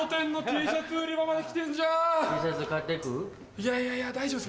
いやいやいや大丈夫です。